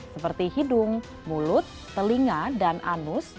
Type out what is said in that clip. seperti hidung mulut telinga dan anus